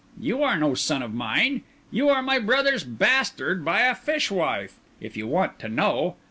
You are no son of mine. You are my brother's bastard by a fishwife, if you want to know.